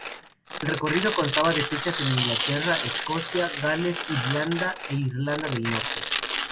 El recorrido constaba de fechas en Inglaterra, Escocia, Gales, Irlanda e Irlanda del norte.